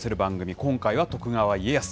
今回は徳川家康。